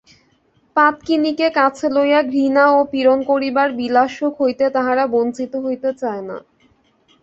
পাতকিনীকে কাছে লইয়া ঘৃণা ও পীড়ন করিবার বিলাসসুখ হইতে তাহারা বঞ্চিত হইতে চায় না।